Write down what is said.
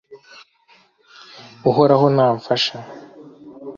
uhoraho namfasha